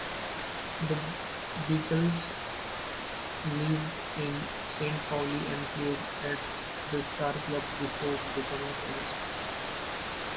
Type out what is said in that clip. The Beatles lived in Saint Pauli and played at the Star-Club before becoming famous.